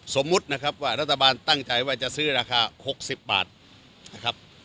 สมมุตินะครับว่ารัฐบาลตั้งใจว่าจะซื้อราคา๖๐บาทนะครับ